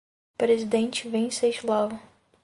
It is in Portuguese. Presidente Venceslau